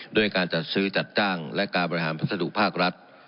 ด้วยการจัดซื้อจัดจ้างและการบริหารพัสดุภาครัฐ